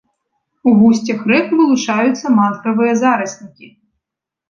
У вусцях рэк вылучаюцца мангравыя зараснікі.